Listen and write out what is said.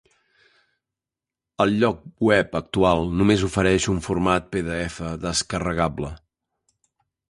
El lloc web actual només ofereix un format pdf descarregable.